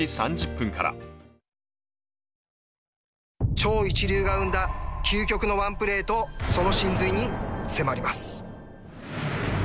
超一流が生んだ究極のワンプレーとその神髄に迫ります。